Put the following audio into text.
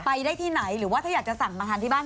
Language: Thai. ไปได้ที่ไหนหรือว่าถ้าอยากจะสั่งมาทานที่บ้าน